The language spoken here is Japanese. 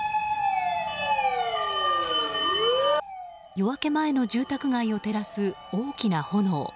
夜明け前の住宅街を照らす大きな炎。